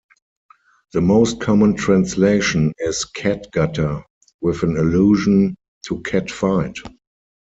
The most common translation is "cat-gutter", with an allusion to cat fight.